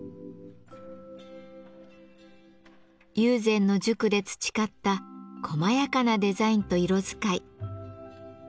友禅の塾で培った細やかなデザインと色使い。